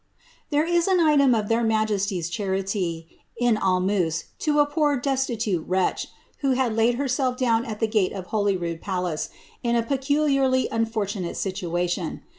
There is an item of their majesties' charity, in almous^ to a poor dea titute wretch, who had laid herself down at the gate of Holyrood palacey in a peculiarly unfortunate situation.